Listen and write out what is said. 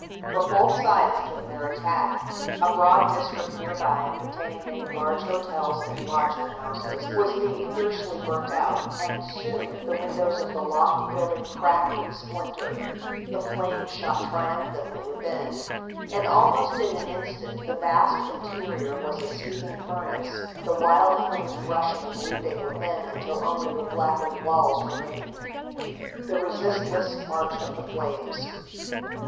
From both sides came their attack. A broad district near by, containing many large hotels and lodging houses, was being fiercely burnt out, and soon the windows of the lofty building cracked and splintered, the flames shot triumphantly within, and almost in an instant the vast interior was a seething furnace, the wild flames rushing and leaping within until only the blackened walls remained. THE RESISTLESS MARCH OF THE FLAMES.